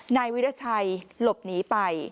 นายวิราชัยหลบหนีไป